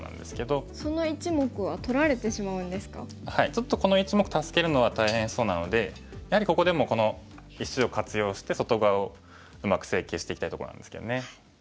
ちょっとこの１目助けるのは大変そうなのでやはりここでもこの石を活用して外側をうまく整形していきたいところなんですけどね。